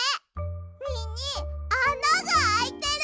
みにあながあいてる。